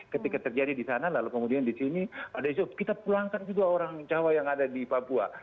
ketika terjadi di sana lalu kemudian di sini ada isu kita pulangkan juga orang jawa yang ada di papua